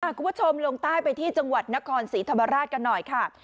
คุณผู้ชมลงใต้ไปที่จังหวัดนครศรีธรรมราชกันหน่อยค่ะ